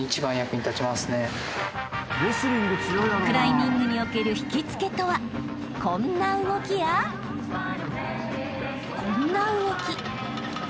［クライミングにおける引きつけとはこんな動きやこんな動き］